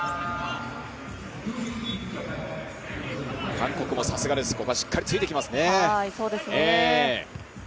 韓国もさすがです、ここはしっかりついてきますね。